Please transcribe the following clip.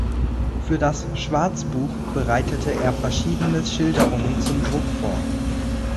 Für das "Schwarzbuch" bereitete er verschiedene Schilderungen zum Druck vor.